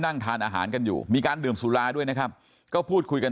นั่งทานอาหารกันอยู่มีการดื่มสุราด้วยนะครับก็พูดคุยกัน